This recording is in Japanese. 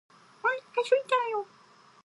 お腹すいたよ！！！！！